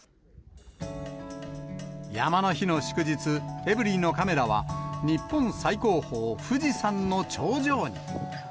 山の日の祝日、エブリィのカメラは、日本最高峰、富士山の頂上に。